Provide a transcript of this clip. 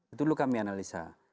itu dulu kami analisa